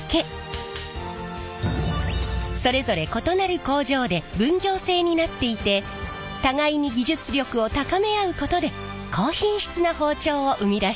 それぞれ異なる工場で分業制になっていて互いに技術力を高め合うことで高品質な包丁を生み出しているんです。